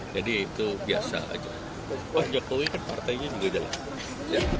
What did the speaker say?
jadi itu biasa aja